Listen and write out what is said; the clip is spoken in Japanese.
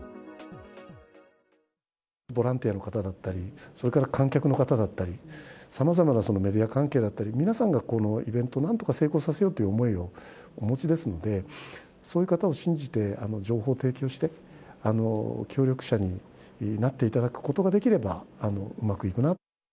ボランティアの方だったり、それから観客の方だったり、さまざまなメディア関係だったり、皆さんがこのイベントをなんとか成功させようという思いをお持ちですので、そういう方を信じて、情報を提供して、協力者になっていただくことができれば、うまくいくな。